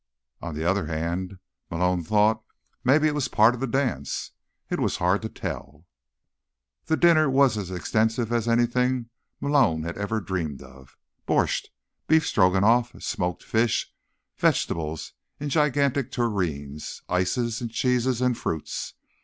On the other hand, Malone thought, maybe it was part of the dance. It was hard to tell. The dinner was as extensive as anything Malone had ever dreamed of: borshcht, beef Stroganoff, smoked fish, vegetables in gigantic tureens, ices and cheeses and fruits.